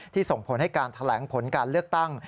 ส่งผลให้การแถลงผลการเลือกตั้ง